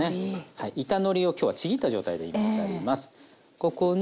板のりを今日はちぎった状態で入れてあります。